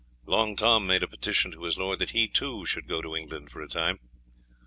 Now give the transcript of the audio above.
Long Tom made a petition to his lord that he too should go to England for a time.